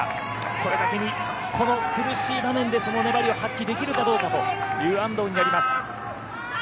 それだけにこの苦しい場面でその粘りを発揮できるかどうかという安藤になります。